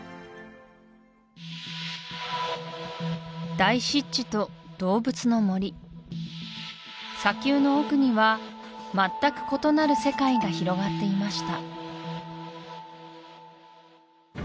大湿地と動物の森砂丘の奥には全く異なる世界が広がっていました